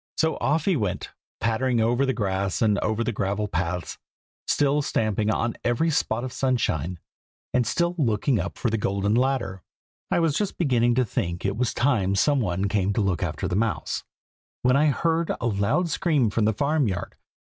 So off he went, pattering over the grass and over the gravel paths, still stamping on every spot of sunshine, and still looking up for the golden ladder. I was just beginning to think it was time some one came to look after the mouse, when I heard a loud scream from the farm yard.